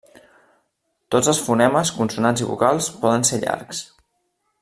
Tots els fonemes, consonants i vocals, poden ser llargs.